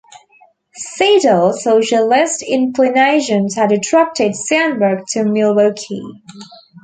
Seidel's socialist inclinations had attracted Sandburg to Milwaukee.